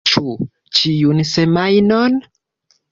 Ĉu ĉiun semajnon?